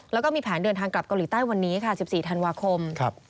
แล้วก็มีแผนเดินทางกลับเกาหลีใต้วันนี้ค่ะ๑๔ธันวาคม